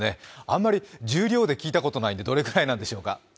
あんまり重量で聞いたことないんで、どれくらいでしょうか。